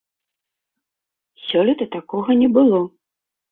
Сёлета такога не было.